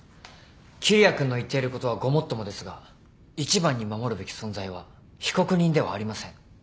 桐矢君の言っていることはごもっともですが一番に守るべき存在は被告人ではありません。